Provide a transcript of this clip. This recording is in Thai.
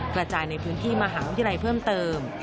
กระจายในพื้นที่มหาวิทยาลัยเพิ่มเติม